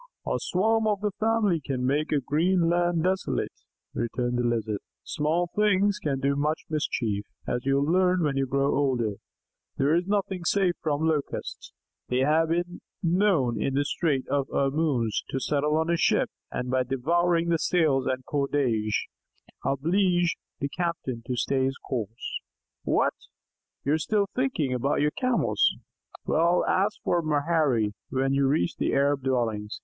"A swarm of his family can make a green land desolate," returned the Lizard. "Small things can do much mischief, as you will learn when you grow older. There is nothing safe from Locusts. They have even been known in the Strait of Ormuz to settle on a ship, and, by devouring the sails and cordage, oblige the captain to stay his course. What? You are still thinking about your Camels? Well, ask for 'Maherry' when you reach the Arabs' dwellings.